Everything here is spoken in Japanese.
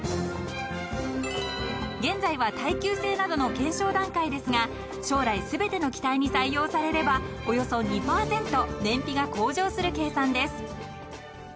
［現在は耐久性などの検証段階ですが将来全ての機体に採用されればおよそ２％燃費が向上する計算です］